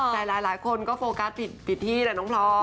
แต่หลายคนก็โฟกัสผิดที่แหละน้องพลอย